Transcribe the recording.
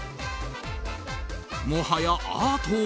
もはやアート？